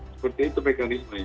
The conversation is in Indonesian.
seperti itu mekanisme